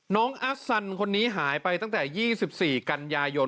อัสซันคนนี้หายไปตั้งแต่๒๔กันยายน